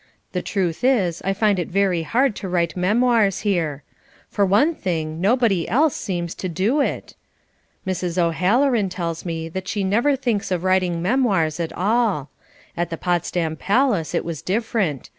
The truth is I find it very hard to write memoirs here. For one thing nobody else seems to do it. Mrs. O'Halloran tells me that she never thinks of writing memoirs at all. At the Potsdam palace it was different.